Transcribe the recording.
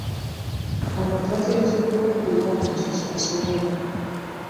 Abantu bateekeddwa okuwa ekyo kye basobola.